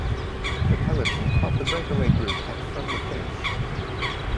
The peloton caught the breakaway group at from the finish.